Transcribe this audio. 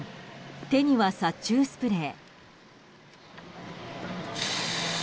手には殺虫スプレー。